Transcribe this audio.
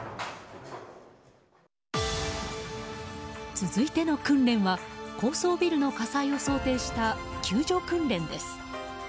続いての訓練は、高層ビルの火災を想定した救助訓練です。